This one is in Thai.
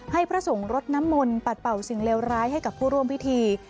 พระสงฆ์รดน้ำมนต์ปัดเป่าสิ่งเลวร้ายให้กับผู้ร่วมพิธี